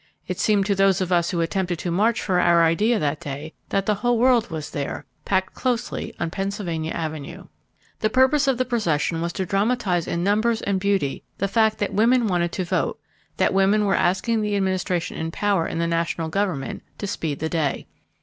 It seemed to those of us who attempted to march for our idea that day that the whole world was there—packed closely on Pennsylvania Avenue. The purpose of the procession was to dramatize in numbers and beauty the fact that women wanted to vote—that women were asking the Administration in power in the national government to speed the day.